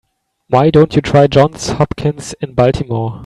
Why don't you try Johns Hopkins in Baltimore?